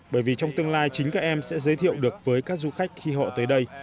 bởi vì trong tương lai chính các em sẽ giới thiệu được với các du khách khi họ tới đây